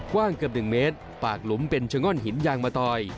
กว้างเกือบ๑เมตรปากหลุมเป็นชะง่อนหินยางมะตอย